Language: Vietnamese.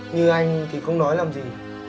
như anh thì không nói làm gì